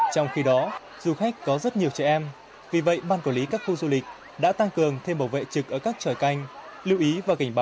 trong khi đó du khách có rất nhiều trẻ em vì vậy ban cổ lý các khu du lịch đã tăng cường thêm bảo vệ trực ở các trời canh